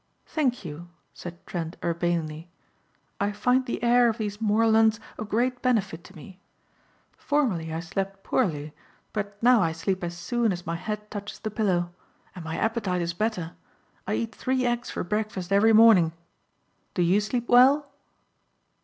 "Thank you," said Trent urbanely, "I find the air of these moorlands of great benefit to me. Formerly I slept poorly but now I sleep as soon as my head touches the pillow. And my appetite is better. I eat three eggs for breakfast every morning. Do you sleep well?"